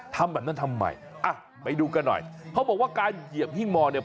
ทำแบบนั้นทำไมอ่ะไปดูกันหน่อยเขาบอกว่าการเหยียบหิ้งมอเนี่ย